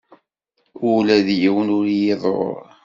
Ula d yiwen ur iyi-iḍurr.